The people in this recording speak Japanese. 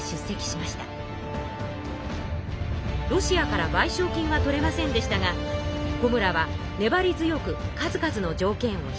ロシアからばいしょう金は取れませんでしたが小村はねばり強く数々の条件を引き出しました。